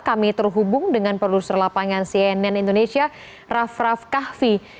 kami terhubung dengan produser lapangan cnn indonesia raff raff kahvi